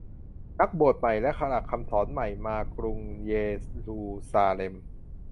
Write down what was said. นักบวชใหม่และหลักคำสอนใหม่มากรุงเยรูซาเล็ม